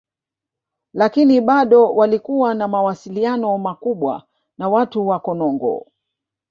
Lakini bado walikuwa na mawasiliano makubwa na watu wa Konongo